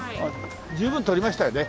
十分撮りましたよね。